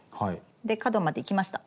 で角までいきました。